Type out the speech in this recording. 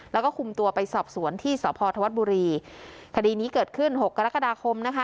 แล้วก็คุมตัวไปสอบสวนที่สพธวัฒน์บุรีคดีนี้เกิดขึ้นหกกรกฎาคมนะคะ